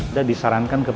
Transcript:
menurut pak jokowi